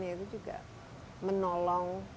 yaitu juga menolong